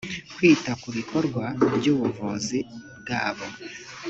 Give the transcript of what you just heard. kwita ku bikorwa by ubuvuzi bwabo